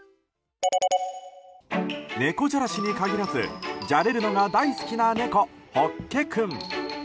猫じゃらしに限らずじゃれるのが大好きな猫ほっけ君。